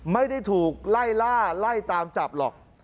ไม่ได้ถูกไล่ล่าไล่ตามจับหรอก